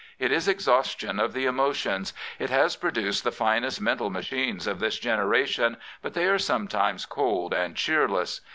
It is exhaustion of the"emo tions. It has produced the finest mental machines of this generation, but they are sometimes cold and cheerless.